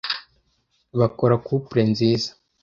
Bakora couple nziza.